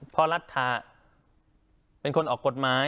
เพราะลัทธนาโธษีก็เป็นคนออกกฎหมาย